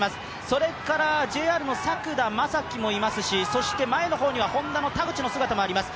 それからＪＲの作田将希もいますし、前の方にはＨｏｎｄａの田口の姿も見えます。